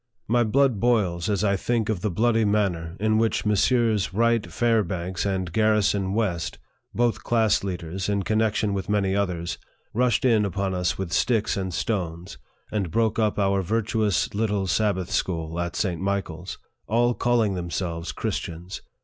My blood boils as I think of the bloody manner in which Messrs. Wright Fairbanks and Garrison West, both class leaders, in. connection with many others, rushed in upon us with sticks and stones, and broke up our virtuous little Sabbath school, at St. Michael's all calling themselves Christians